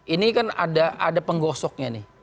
ini kan ada penggosoknya nih